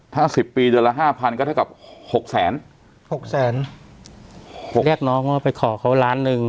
ถ้าสิบปีเดือนละห้าพันก็เท่ากับหกแสนหกแสนหกเรียกน้องว่าไปขอเขาล้านหนึ่ง